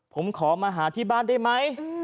ผมขอมาหาที่บ้านได้ไหม